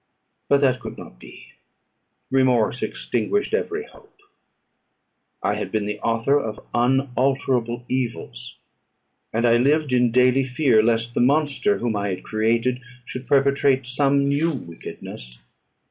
But that could not be. Remorse extinguished every hope. I had been the author of unalterable evils; and I lived in daily fear, lest the monster whom I had created should perpetrate some new wickedness.